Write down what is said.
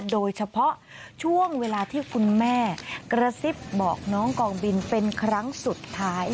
โดยเฉพาะช่วงเวลาที่คุณแม่กระซิบบอกน้องกองบินเป็นครั้งสุดท้าย